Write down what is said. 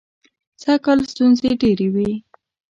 سږکال ستونزې ډېرې وې.